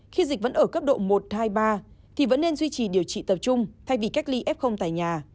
khi dịch vẫn ở cấp độ một hai ba thì vẫn nên duy trì điều trị tập trung thay vì cách ly f tại nhà